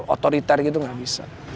otoriter gitu gak bisa